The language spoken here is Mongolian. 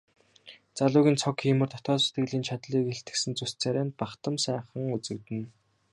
Залуугийн цог хийморь дотоод сэтгэлийн чадлыг илтгэсэн зүс царай нь бахдам сайхан үзэгдэнэ.